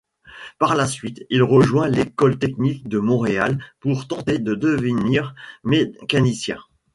Par la suite, il rejoint l'école technique de Montréal pour tenter de devenir mécanicien.